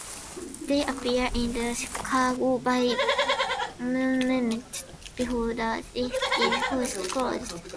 They appear in the cargo bay moments before the rift is forced closed.